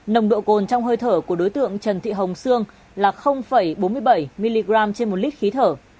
nồng độ cồn trong hơi thở của đối tượng trần thị hồng sương là bốn mươi bảy mg trên một lít khí thở